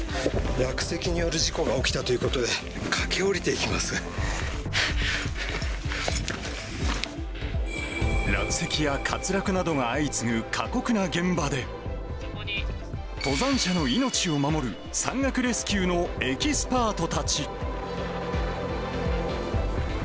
落石による事故が起きたということで、落石や滑落などが相次ぐ、過酷な現場で、登山者の命を守る山岳レスキューのエキスパートたち。